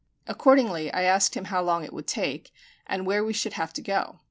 Accordingly I asked him how long it would take, and where we should have to go.